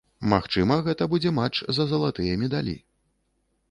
Магчыма, гэта будзе матч за залатыя медалі.